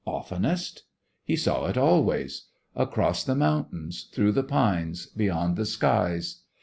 Oftenest? he saw it always; across the mountains, through the pines, beyond the skies.